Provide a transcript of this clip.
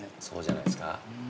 そうじゃないですか。